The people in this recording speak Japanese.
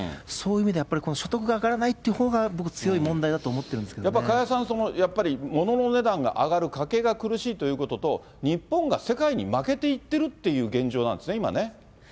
そういう意味で、やっぱり所得が上がらないっていうほうが、僕、強い問題だと思っやっぱ加谷さん、やっぱりものの値段が上がる、家計が苦しいということと、日本が世界に負けていってるっていう現状なんですね、今ね。